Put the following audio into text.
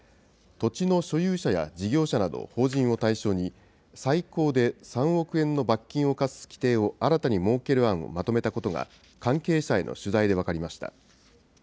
土地の所有者や、事業者など法人を対象に、最高で３億円の罰金を科す規定を新たに設ける案をまとめたことが、関係者への取材で分かりました。